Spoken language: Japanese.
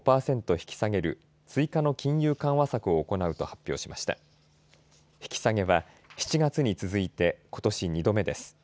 引き下げは、７月に続いてことし２度目です。